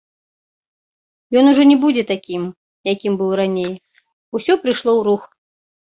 Ён ужо не будзе такім, якім быў раней, усё прыйшло ў рух.